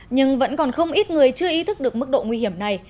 nhưng vẫn còn không ít người chưa ý thức được mức độ nguy hiểm này